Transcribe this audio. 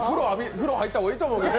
風呂入った方がいいと思うけど。